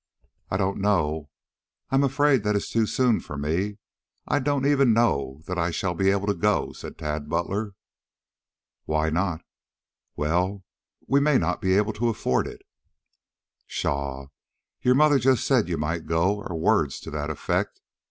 "I don't know. I am afraid that is too soon for me. I don't even know that I shall be able to go," said Tad Butler. "Why not?" "Well, we may not be able to afford it." "Pshaw! Your mother just said you might go, or words to that effect.